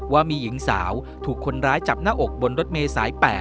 ว่ามีหญิงสาวถูกคนร้ายจับหน้าอกบนรถเมย์สาย๘